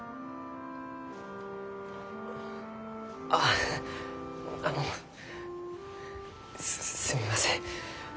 ああのすすみません。